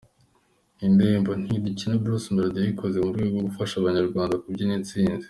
Iyi ndirimbo 'Ntidukina' Bruce Melody yayikoze mu rwego rwo gufasha abanyarwanda kubyina intsinzi.